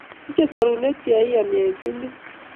Sichei sorunet che 'yani Yetindet.